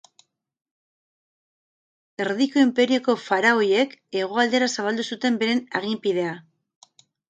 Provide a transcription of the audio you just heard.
Erdiko Inperioko faraoiek hegoaldera zabaldu zuten beren aginpidea